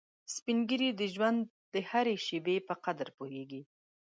سپین ږیری د ژوند هره شېبه په قدر پوهیږي